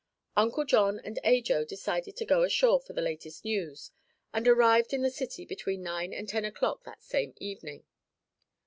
Uncle John and Ajo decided to go ashore for the latest news and arrived in the city between nine and ten o'clock that same evening.